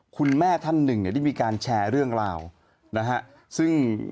คุณแม่ท่านหนึ่งเนี่ยได้มีการแชร์เรื่องราวนะฮะซึ่ง